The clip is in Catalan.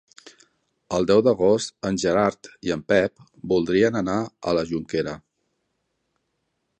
El deu d'agost en Gerard i en Pep voldrien anar a la Jonquera.